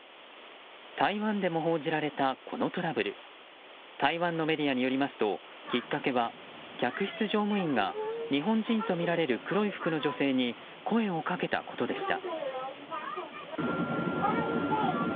台湾でも報じられたこのトラブル台湾のメディアによりますときっかけは客室乗務員が日本人とみられる黒い服の女性に声をかけたことでした。